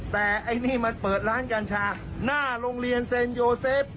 แต่ไอ้นี่มันเปิดร้านกัญชาหน้าโรงเรียนเซ็นโยเซฟ